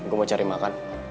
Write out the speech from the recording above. gue mau cari makan